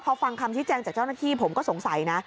พอฟังคำชี้แจงจากเจ้าหน้าที่ผมก็สงสัยนะ